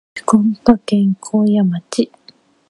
福岡県粕屋町